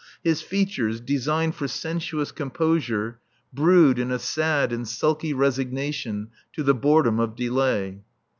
His features, designed for sensuous composure, brood in a sad and sulky resignation to the boredom of delay.